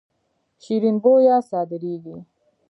شیرین بویه صادریږي.